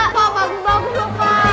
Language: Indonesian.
pak bagus bagus loh pak